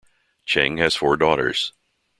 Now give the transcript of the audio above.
Cheng has four daughters.